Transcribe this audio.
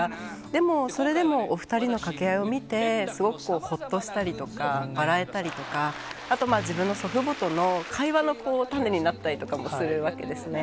でも、それでもお２人の掛け合いを見て、すごくほっとしたりとか、笑えたりとか、あとまあ、自分の祖父母との会話の種になったりとかもするわけですね。